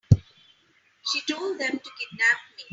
She told them to kidnap me.